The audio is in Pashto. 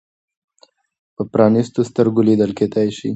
په پرانیستو سترګو لیدل کېدای شي.